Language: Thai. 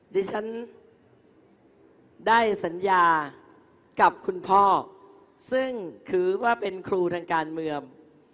ดิฉันได้สัญญากับคุณพ่อซึ่งถือว่าเป็นครูทางการเมือง